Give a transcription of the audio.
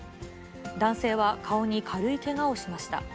男性は顔に軽いけがをしました。